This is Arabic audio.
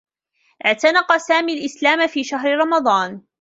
اعتنق سامي الإسلام في شهر رمضان.